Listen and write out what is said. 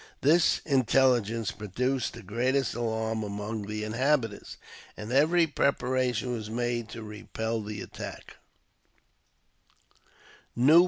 This intelligence produced the greatest alarm among the inhabitants, and every preparation w^as made to repel the attack.